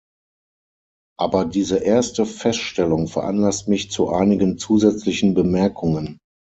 Aber diese erste Feststellung veranlasst mich zu einigen zusätzlichen Bemerkungen.